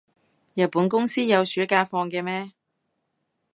日本公司有暑假放嘅咩？